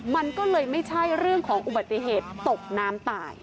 มันก็เลยไม่ใช่เรื่องของอุบัติเหตุตกน้ำตาย